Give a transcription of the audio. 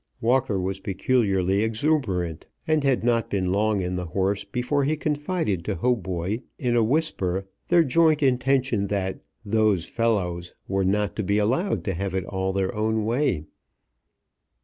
Walker was peculiarly exuberant, and had not been long in the house before he confided to Hautboy in a whisper their joint intention that "those fellows" were not to be allowed to have it all their own way.